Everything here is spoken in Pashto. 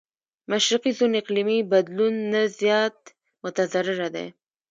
مشرقي زون اقليمي بدلون نه زيات متضرره دی.